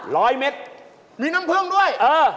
ร้อยเม็ดน้ำเพิ่งด้วยเออ